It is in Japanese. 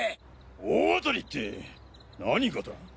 大当たりって何がだ？